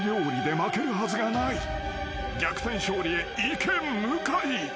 ［逆転勝利へいけ向井］